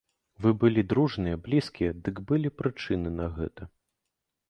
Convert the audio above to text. Вы былі дружныя, блізкія, дык былі прычыны на гэта.